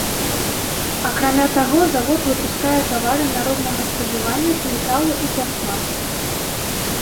Акрамя таго завод выпускае тавары народнага спажывання з металу і пластмас.